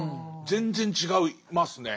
全然違いますね。